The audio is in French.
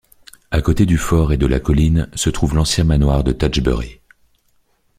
À côté du fort et de la colline se trouve l'ancien manoir de Tatchbury.